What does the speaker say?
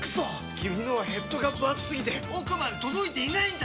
君のはヘッドがぶ厚すぎて奥まで届いていないんだっ！